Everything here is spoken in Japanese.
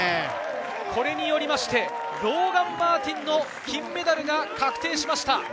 これによってローガン・マーティンの金メダルが確定しました。